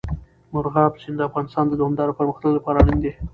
مورغاب سیند د افغانستان د دوامداره پرمختګ لپاره اړین دي.